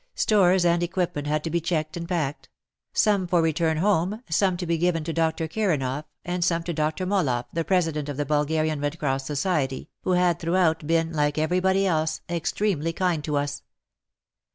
Stores and equipment had to be checked and packed, — some for return home, some to be given to Dr. Kiranoff, and some to Dr. Moloff, the President of the Bulgarian Red Cross Society, who had throughout been, like everybody else, extremely kind to us.